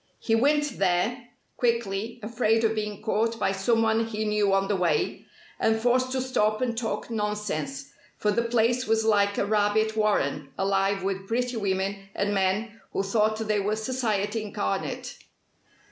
He went there quickly, afraid of being caught by someone he knew on the way, and forced to stop and talk nonsense, for the place was like a rabbit warren alive with pretty women and men who thought they were Society incarnate.